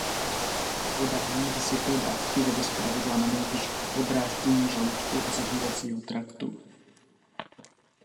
Podání vysoké dávky vede zpravidla nanejvýš k podráždění žaludku a zažívacího traktu.